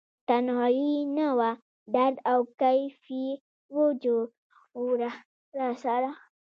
تنهایې نه وه درد او کیف یې و جوړه راسره